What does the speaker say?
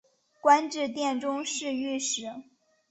官至殿中侍御史。